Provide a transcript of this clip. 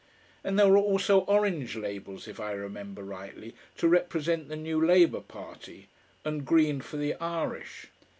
And there were also orange labels, if I remember rightly, to represent the new Labour party, and green for the Irish.